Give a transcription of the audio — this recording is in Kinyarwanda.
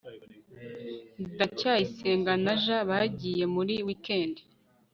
ndacyayisenga na j bagiye muri wikendi